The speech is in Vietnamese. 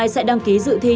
sẽ đăng ký dự thi